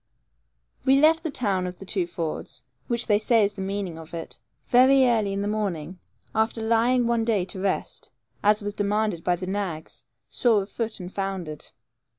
We left the town of the two fords, which they say is the meaning of it, very early in the morning, after lying one day to rest, as was demanded by the nags, sore of foot and foundered.